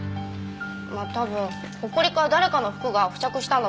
まあ多分ホコリか誰かの服が付着したんだと思いますけど。